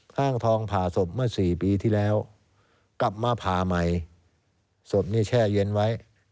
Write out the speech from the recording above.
ข้างทองผ่าศพเมื่อสี่ปีที่แล้วกลับมาผ่าใหม่ศพนี่แช่เย็นไว้